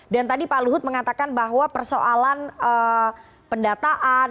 tadi pak luhut mengatakan bahwa persoalan pendataan